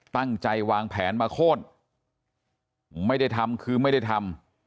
ตั้งใจวางแผนมาโค้นไม่ได้ทำคือไม่ได้ทำ